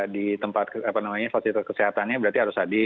di tempat apa namanya fasilitas kesehatannya berarti harus hadir